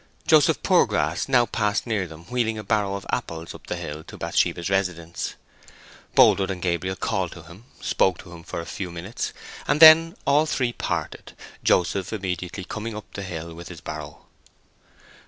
Joseph Poorgrass now passed near them, wheeling a barrow of apples up the hill to Bathsheba's residence. Boldwood and Gabriel called to him, spoke to him for a few minutes, and then all three parted, Joseph immediately coming up the hill with his barrow.